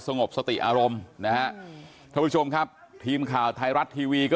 งบสติอารมณ์นะฮะท่านผู้ชมครับทีมข่าวไทยรัฐทีวีก็